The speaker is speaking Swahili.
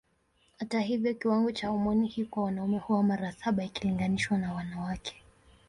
Hata hivyo kiwango cha homoni hii kwa wanaume huwa mara saba ikilinganishwa na wanawake.